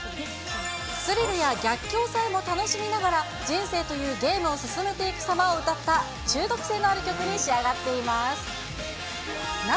スリルや逆境さえも楽しみながら、人生というゲームを進めていく様を歌った、中毒性のある歌に仕上がっています。